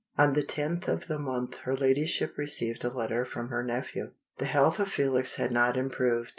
On the tenth of the month her Ladyship received a letter from her nephew. The health of Felix had not improved.